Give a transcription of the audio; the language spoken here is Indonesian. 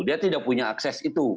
dia tidak punya akses itu